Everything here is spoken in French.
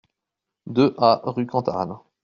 deux A rue Cantarane